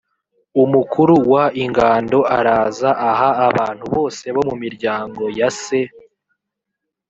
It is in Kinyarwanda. umukuru w ingando araza aha abantu bose bo mu miryango ya se